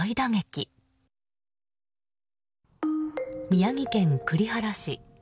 宮城県栗原市。